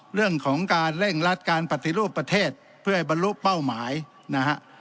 เรื่องของการเร่งรัดการปฏิรูปประเทศเพื่อให้บรรลุเป้าหมายนะฮะ